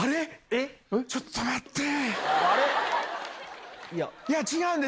えっちょっと待って。